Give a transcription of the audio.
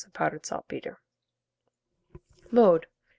of powdered saltpetre. Mode.